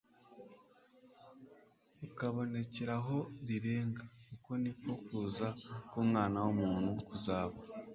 ukabonekera aho rirengera, uko niko kuza k'Umwana w'umuntu kuzaba."